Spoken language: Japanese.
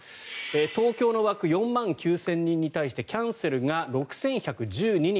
東京の枠４万９０００人に対してキャンセルが６１１２人。